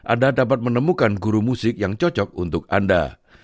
anda dapat menemukan guru musik yang cocok untuk anda